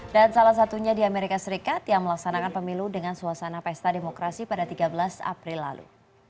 dan salah satunya di amerika serikat yang melaksanakan pemilu dengan suasana pesta demokrasi pada tiga belas april lalu